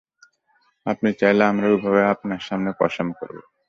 আপনি চাইলে আমরা উভয়ে আপনার সামনে কসম করবো।